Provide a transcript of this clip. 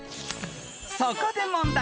［そこで問題］